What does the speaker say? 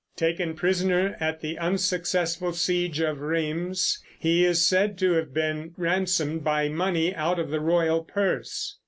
Taken prisoner at the unsuccessful siege of Rheims, he is said to have been ransomed by money out of the royal purse.